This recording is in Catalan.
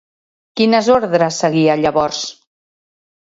Quines ordres seguia llavors?